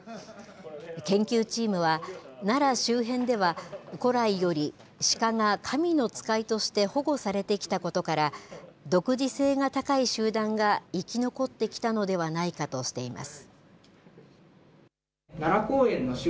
研究チームは、奈良周辺では、古来よりシカが神の使いとして保護されてきたことから、独自性が高い集団が生き残ってきたのではないかとしています。